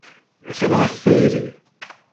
Tenɣa-t tayri.